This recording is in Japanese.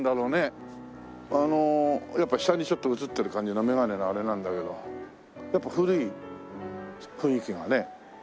あのやっぱ下にちょっと映ってる感じがメガネのあれなんだけどやっぱ古い雰囲気がね。